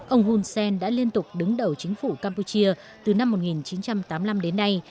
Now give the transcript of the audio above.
ông hun sen đã liên tục đứng đầu chính phủ campuchia từ năm một nghìn chín trăm tám mươi năm đến nay